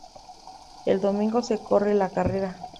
El domingo se corre la carrera.